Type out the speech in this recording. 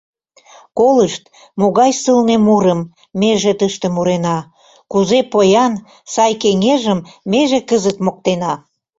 Колышт, могай сылне мурым Меже тыште мурена, Кузе поян, сай кеҥежым Меже кызыт моктена!